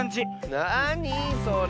なにそれ？